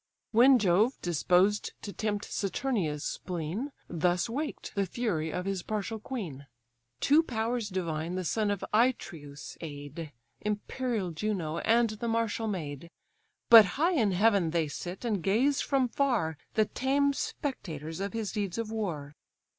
When Jove, disposed to tempt Saturnia's spleen, Thus waked the fury of his partial queen, "Two powers divine the son of Atreus aid, Imperial Juno, and the martial maid; But high in heaven they sit, and gaze from far, The tame spectators of his deeds of war.